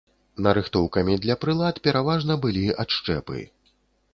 Нарыхтоўкамі для прылад пераважна былі адшчэпы.